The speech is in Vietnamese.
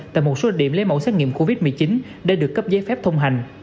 tại một số điểm lấy mẫu xét nghiệm covid một mươi chín để được cấp giấy phép thông hành